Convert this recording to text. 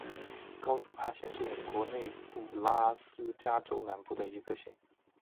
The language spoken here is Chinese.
高斯帕县是美国内布拉斯加州南部的一个县。